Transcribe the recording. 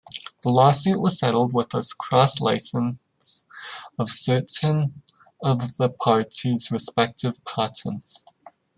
The lawsuit was settled with a cross-license of certain of the parties' respective patents.